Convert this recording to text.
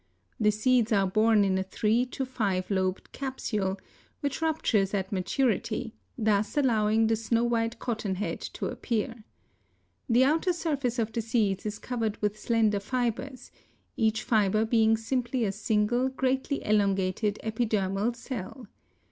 The seeds are borne in a three to five lobed capsule, which ruptures at maturity, thus allowing the snow white cotton head to appear. The outer surface of the seeds is covered with slender fibers, each fiber being simply a single, greatly elongated epidermal cell.